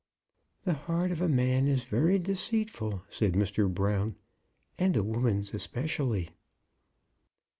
"The heart of a man is very deceitful," said Mr. Brown. "And a woman's especially."